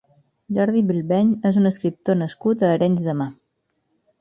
Jordi Bilbeny és un escriptor nascut a Arenys de Mar.